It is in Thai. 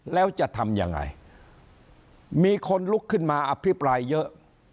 แล้วจะทำยังไงมีคนลุกขึ้นมาอภิปรายเยอะ